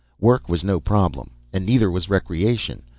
Work was no problem, and neither was recreation.